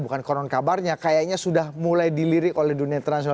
bukan konon kabarnya kayaknya sudah mulai dilirik oleh dunia internasional